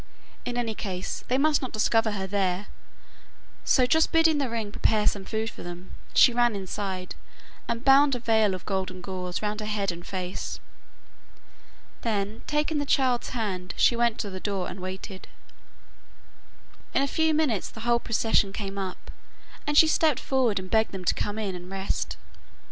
In any case they must not discover her there; so just bidding the ring prepare some food for them, she ran inside, and bound a veil of golden gauze round her head and face. Then, taking the child's hand, she went to the door and waited. In a few minutes the whole procession came up, and she stepped forward and begged them to come in and rest.